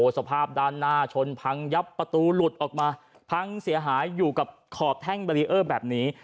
สภาพด้านหน้าชนพังยับประตูหลุดออกมาพังเสียหายอยู่กับขอบแท่งบารีเออร์แบบนี้